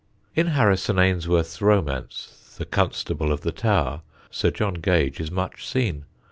In Harrison Ainsworth's romance The Constable of the Tower Sir John Gage is much seen.